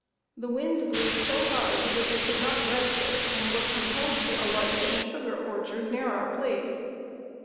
The wind blew so hard that they could not breast it and were compelled to alight in a sugar orchard near our place.